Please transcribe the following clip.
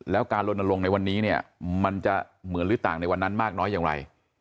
แล้วการลนลงในวันนี้เนี่ยมันจะเหมือนหรือต่างในวันนั้นมากน้อยอย่างไร